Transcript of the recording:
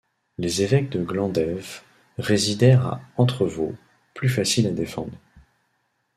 Les évêques de Glandèves résidèrent à Entrevaux, plus facile à défendre.